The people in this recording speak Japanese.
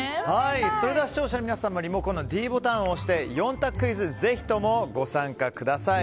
それでは視聴者の皆さんもリモコンのｄボタンを押して４択クイズにご参加ください。